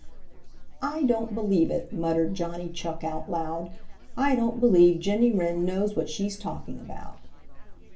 "I don't believe it," muttered Johnny Chuck out loud. "I don't believe Jenny Wren knows what she's talking about."